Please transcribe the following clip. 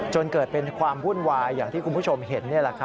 จนเกิดเป็นความวุ่นวายอย่างที่คุณผู้ชมเห็นเนี่ยแหละครับ